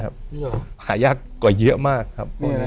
ใช่ครับหายากกว่าเยอะมากครับ